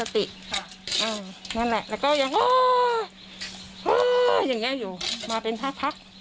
แล้วก็อย่างนี้อยู่มาเป็นภาพพัก